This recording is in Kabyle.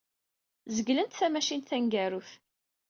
Zeglent tamacint taneggarut.